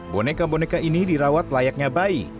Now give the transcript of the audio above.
boneka boneka ini dirawat layaknya bayi